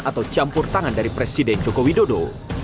atau campur tangan dari presiden joko widodo